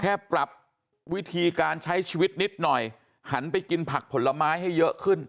แค่ปรับวิธีการใช้ชีวิตนิดหน่อยหันไปกินผักผลไม้ให้เยอะขึ้น